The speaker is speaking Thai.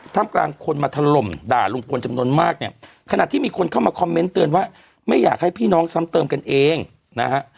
ทำกลางคนมาถล่มด่าลุงพลจำนวนมากเนี่ยขณะที่มีคนเข้ามาคอมเมนต์เตือนว่าไม่อยากให้พี่น้องซ้ำเติมกันเองนะฮะ